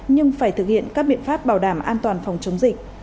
nhưng phải thực hiện các biện pháp bảo đảm an toàn phòng chống dịch